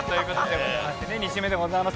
２週目でございます。